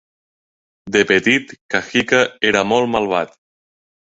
De petit, Kajika era molt malvat.